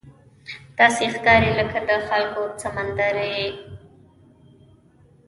داسې ښکاري لکه د خلکو سمندر پرې روان وي.